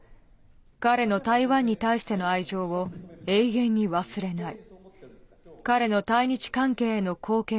彼の台湾に対しての愛情を永遠に忘れない。